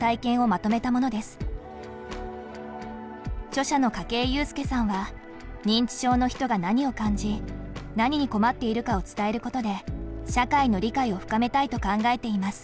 著者の筧裕介さんは認知症の人が何を感じ何に困っているかを伝えることで社会の理解を深めたいと考えています。